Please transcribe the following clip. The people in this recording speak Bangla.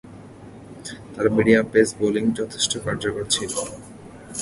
তার মিডিয়াম-পেস বোলিং যথেষ্ট কার্যকর ছিল।